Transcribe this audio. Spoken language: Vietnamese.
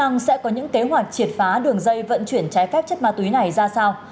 lực lượng chức năng sẽ có những kế hoạch triệt phá đường dây vận chuyển trái phép chất ma túy này ra sao